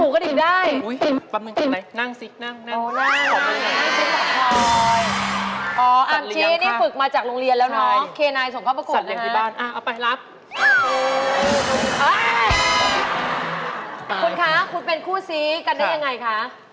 คุณคะคุณเป็นคู่ซี้กันได้ยังไงคะ